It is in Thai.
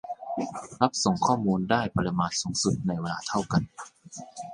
รับส่งข้อมูลได้ปริมาณสูงสุดในเวลาเท่ากัน